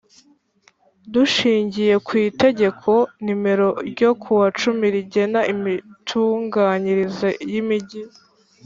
Dushingiye ku itegeko nimero ryo kuwa cumi rigena imitunganyirize yimigi